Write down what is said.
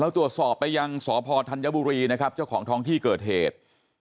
ตรวจสอบไปยังสพธัญบุรีนะครับเจ้าของท้องที่เกิดเหตุ